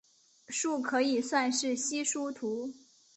树可以算是稀疏图。